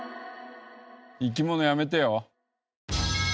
生き物やめてよ。